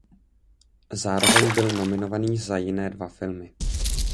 Zároveň byl nominovaný za jiné dva filmy.